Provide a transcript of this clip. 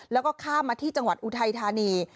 แล้วก็ข้ามมาที่จังหวัดอุทัยธานี